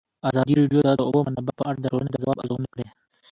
ازادي راډیو د د اوبو منابع په اړه د ټولنې د ځواب ارزونه کړې.